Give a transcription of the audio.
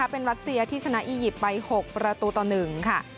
เป็นรัสเซียที่ชนะอียิปต์ไป๖ประตูต่อ๑ค่ะ